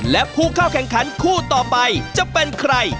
และผู้เข้าแข่งขันคู่ต่อไปจะเป็นใคร